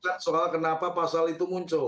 saya tadi menjelaskan soal kenapa pasal itu muncul